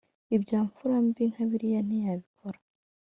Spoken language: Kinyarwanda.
ibya mfura mbi nka biriya ntiyabikora